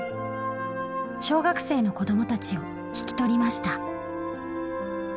小学生の子どもたちを引き取りました。